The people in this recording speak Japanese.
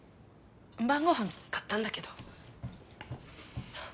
晩ご飯買ったんだけど。